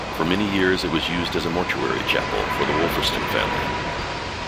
For many years it was used as a mortuary chapel for the Wolferstan family.